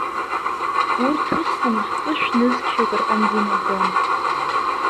Урҭ усҟан фышә нызқьҩык рҟынӡа инаӡон.